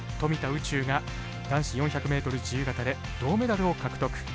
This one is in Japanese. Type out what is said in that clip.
宇宙が男子４００ｍ自由形で銅メダルを獲得。